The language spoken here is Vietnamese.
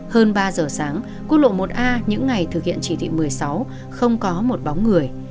hơn ba giờ sáng quốc lộ một a những ngày thực hiện chỉ thị một mươi sáu không có một bóng người